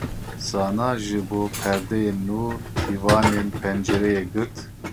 Zana ji bo perdeyên nû pîvanên pencereyê girt.